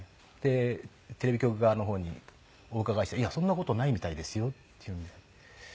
テレビ局側の方にお伺いしたらいやそんな事ないみたいですよっていう風に。